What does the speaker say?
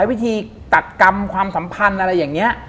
วิธีตัดกรรมความสัมพันธ์อะไรอย่างนี้